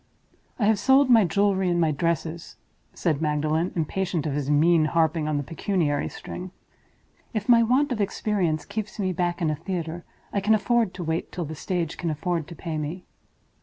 "I have sold my jewelry and my dresses," said Magdalen, impatient of his mean harping on the pecuniary string. "If my want of experience keeps me back in a theater, I can afford to wait till the stage can afford to pay me."